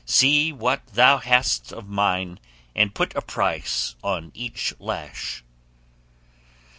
See what thou hast of mine, and put a price on each lash."